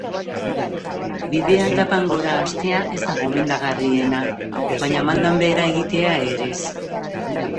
Bidea aldapan gora hastea ez da gomendagarriena, baina maldan behera egitea ere ez.